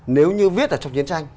nếu như viết ở trong chiến tranh